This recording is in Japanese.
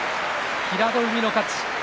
平戸海の勝ち。